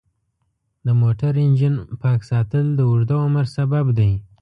د موټر انجن پاک ساتل د اوږده عمر سبب دی.